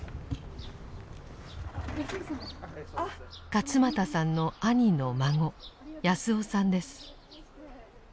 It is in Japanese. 勝又さんの兄の孫康雄さんです。